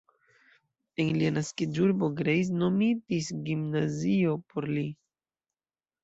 En lia naskiĝurbo Greiz nomitis gimnazio por li.